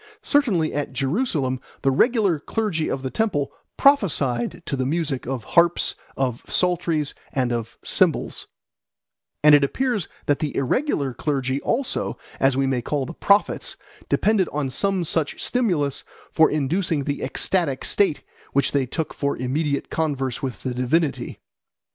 Certainly at Jerusalem the regular clergy of the temple prophesied to the music of harps, of psalteries, and of cymbals; and it appears that the irregular clergy also, as we may call the prophets, depended on some such stimulus for inducing the ecstatic state which they took for immediate converse with the divinity.